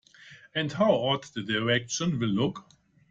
And how odd the directions will look!